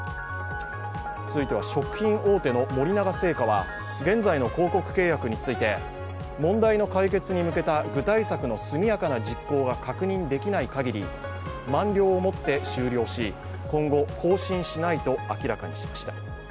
続いては食品大手の森永製菓は、現在の広告契約について問題の解決に向けた具体策の速やかな実行が確認できないかぎり満了をもって終了し、今後、更新しないと明らかにしました。